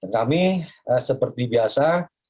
kami seperti biasa